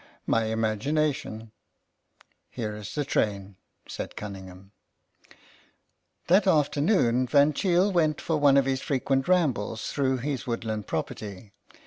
My imagination. Here is the train," said Cunningham. That afternoon Van Cheele went for one of his frequent rambles through his woodland property.